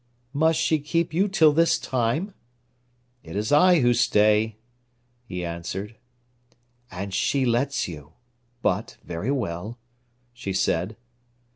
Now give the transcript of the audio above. "Must she keep you till this time?" "It is I who stay," he answered. "And she lets you? But very well," she said.